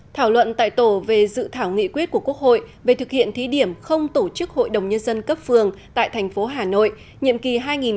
thảo luận tại tổ về dự thảo nghị quyết của quốc hội về thực hiện thí điểm không tổ chức hội đồng nhân dân cấp phường tại thành phố hà nội nhiệm kỳ hai nghìn một mươi sáu hai nghìn hai mươi một